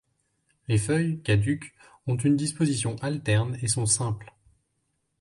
Les feuilles, caduques, ont une disposition alterne et sont simples.